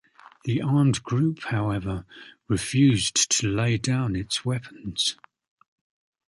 The armed group, however, refused to lay down its weapons.